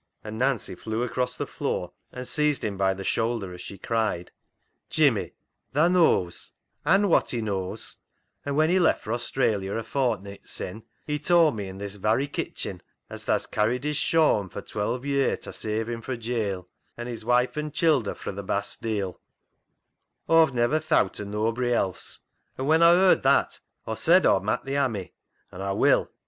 and Nancy flew across the floor and seized him by the shoulder as she cried :" Jimmy, tha knows ; an' Watty knows ; an' when he left for Australia a fortnit sin', he told me in this varry kitchen as tha's carried his shawm [shame] for twelve ye'r ta save him fro' jail, and his wife and childer fro' th' bastile [workhouse]. Aw've never thowt o' noabry else, an' when Aw yerd that Aw said Aw'd mak' thi ha' me. An' Aw will